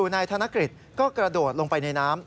นายธนกฤษก็กระโดดลงไปในน้ำ